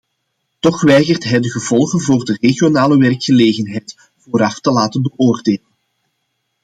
Toch weigert hij de gevolgen voor de regionale werkgelegenheid vooraf te laten beoordelen.